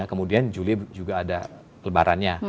kemudian juli juga ada lebarannya